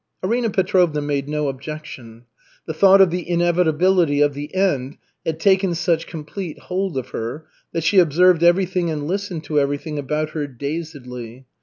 Arina Petrovna made no objection. The thought of the inevitability of the "end" had taken such complete hold of her, that she observed everything and listened to everything about her dazedly.